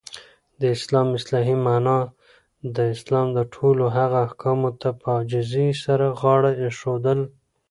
د اسلام اصطلاحی معنا : اسلام ټولو هغه احکامو ته په عاجزی سره غاړه ایښودل.